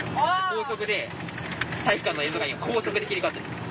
高速で体育館の映像が今高速で切り替わってるの。